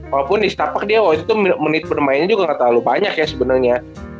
walaupun di setapak dia waktu itu menit bermainnya juga gak terlalu banyak ya sebenarnya